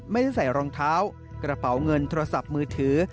ไม่ได้ใส่รองเท้ากระเป๋าเงินโทรศัพท์มือถือ